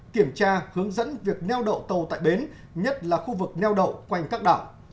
kiểm tra hướng dẫn việc neo đậu tàu tại bến nhất là khu vực neo đậu quanh các đảo